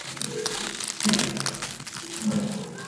El armiño representa la dignidad de la institución.